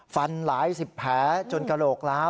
ฟันหลายสิบแผลจนกระโหลกล้าว